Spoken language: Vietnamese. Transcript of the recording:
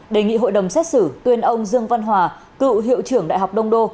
đề nghị hội đồng xét xử tuyên ông dương văn hòa cựu hiệu trưởng đại học đông đô